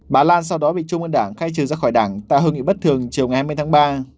bà lan sau đó bị trung ương đảng khai trừ ra khỏi đảng tại hội nghị bất thường chiều ngày hai mươi tháng ba